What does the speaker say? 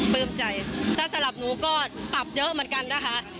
ปลื้มใจถ้าสลับหนูก็ปรับเยอะเหมือนกันนะคะ